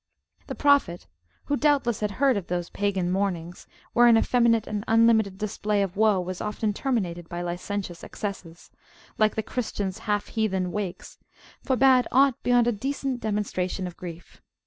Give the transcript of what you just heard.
The Prophet, ho doubtless had heard of those pagan mournings, where an effeminate and unlimited display of woe was often terminated by licentious excesses, like the Christians half heathen wakes, forbad [a]ught beyond a decent demonstration of grief.